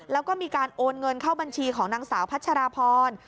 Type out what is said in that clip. แล้วก็มีการโอนเงินเข้าบัญชีของนางสาวพัชราพร